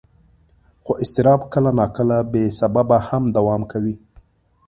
خو اضطراب کله ناکله بې سببه هم دوام کوي.